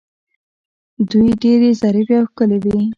دوی ډیرې ظریفې او ښکلې وې